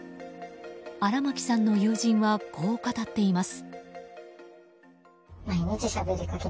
荒牧さんの友人はこう語っています。